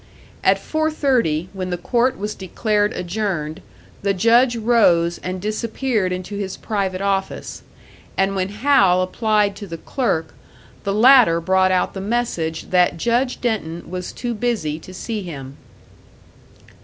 At four thirty, when the court was declared adjourned, the Judge rose and disappeared into his private office; and when Hal applied to the clerk, the latter brought out the message that Judge Denton was too busy to see him.